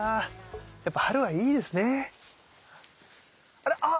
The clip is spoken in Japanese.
あらあっ。